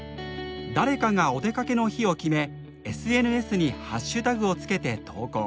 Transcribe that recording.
誰かがお出かけの日を決めＳＮＳにハッシュタグをつけて投稿。